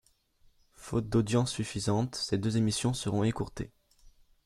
Fautes d'audiences suffisantes, ces deux émissions seront écourtées.